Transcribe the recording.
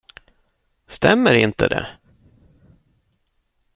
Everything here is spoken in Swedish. Stämmer inte det?